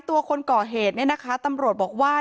ตัวคนก่อเหตุเนี่ยนะคะตำรวจบอกว่า